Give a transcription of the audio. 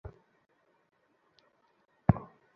Oscar, বোকার মতো কথা বলো না।